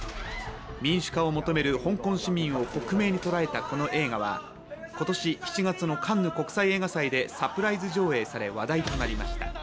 民主化を求める香港市民を克明に捉えたこの映画は、今年７月のカンヌ国際映画祭でサプライズ上映され、話題となりました。